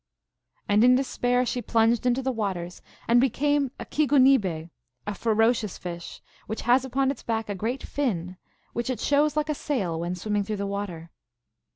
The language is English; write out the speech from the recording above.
And in despair she plunged into the waters, and became a keegunibe, a ferocious fish, which has upon its back a great fin, which it shows like a sail when swimming through the water.